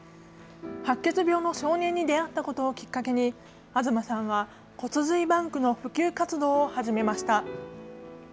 白血病の少年に出会ったことをきっかけに東さんは骨髄バンクの普及活動を始めました。